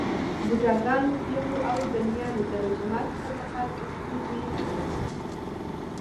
بوډاګانو، پېغلو او ځلمیانو د روژه ماتي پر مهال اوښکې توی کړې.